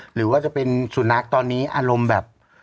หรือว่าจะเป็นสุนัขตอนนี้อารมณ์แบบ